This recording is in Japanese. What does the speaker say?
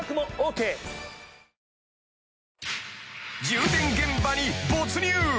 ［充電現場に没入］